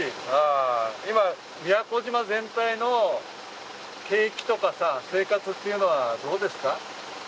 今、宮古島全体の景気とか生活っていうのはどうですか？